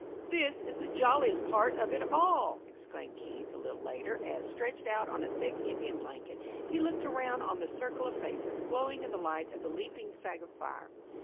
"This is the jolliest part of it all!" exclaimed Keith, a little later, as, stretched out on a thick Indian blanket, he looked around on the circle of faces, glowing in the light of the leaping fagot fire.